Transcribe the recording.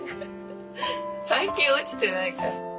最近落ちてないか。